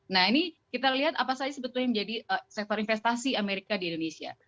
nah ini kita lihat apa saja sebetulnya menjadi sektor investasi amerika di indonesia